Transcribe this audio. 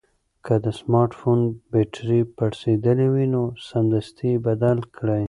که د سمارټ فون بېټرۍ پړسېدلې وي نو سمدستي یې بدل کړئ.